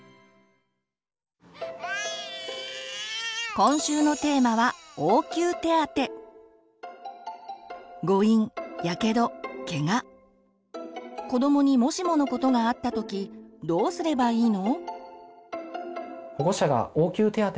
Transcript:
今週のテーマは子どもにもしものことがあったときどうすればいいの？